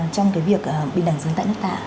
trong cái việc bình đẳng giới tại nước ta